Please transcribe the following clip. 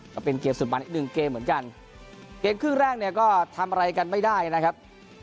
ก็เป็นเกมสุดมันอีกหนึ่งเกมเหมือนกันเกมครึ่งแรกเนี่ยก็ทำอะไรกันไม่ได้นะครับ